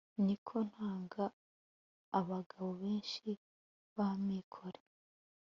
ni ko ntanga abagabo benshi ba mikore